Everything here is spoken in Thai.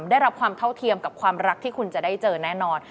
ได้รับความเท่าเทียมกับความรักที่คุณจะได้เจอแน่นอน